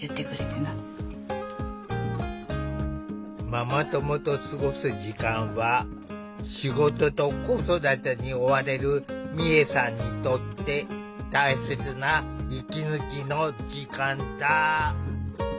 ママ友と過ごす時間は仕事と子育てに追われる美恵さんにとって大切な息抜きの時間だ。